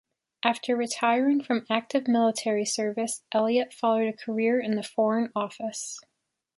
After retiring from active military service, Elliot followed a career in the Foreign Office.